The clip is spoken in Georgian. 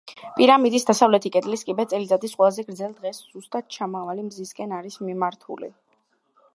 პირამიდის დასავლეთი კედლის კიბე წელიწადის ყველაზე გრძელ დღეს ზუსტად ჩამავალი მზისკენ არის მიმართული.